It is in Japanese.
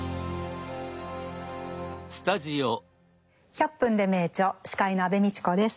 「１００分ｄｅ名著」司会の安部みちこです。